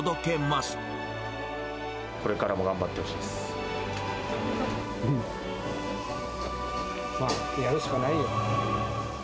これからも頑張ってほしいでまあ、やるしかないよ。